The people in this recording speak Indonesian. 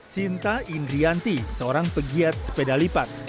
sinta indrianti seorang pegiat sepeda lipat